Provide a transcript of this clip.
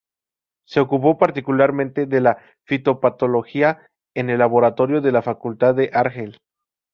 Se ocupó particularmente de la fitopatología en el laboratorio de la facultad de Argel.